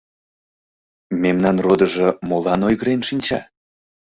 Мемнан родыжо молан ойгырен шинча?